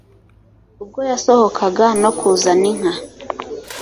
ubwo yasohokaga no kuzana inka-